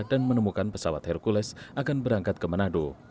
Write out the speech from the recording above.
dan menemukan pesawat hercules akan berangkat ke manado